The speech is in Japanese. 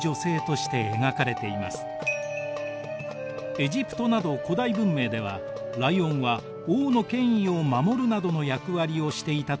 エジプトなど古代文明ではライオンは王の権威を守るなどの役割をしていたといわれています。